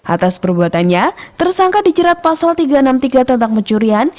atas perbuatannya tersangka dijerat pasal tiga ratus enam puluh tiga tentang pencurian